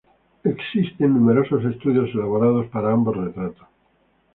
Existen numerosos estudios elaborados para ambos retratos.